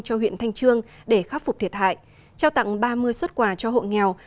cho huyện thanh trương để khắc phục thiệt hại trao tặng ba mươi xuất quà cho hộ nghèo